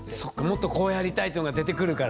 「もっとこうやりたい」ってのが出てくるから。